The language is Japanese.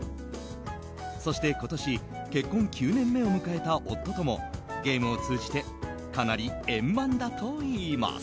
そして今年、結婚９年目を迎えた夫ともゲームを通じてかなり円満だといいます。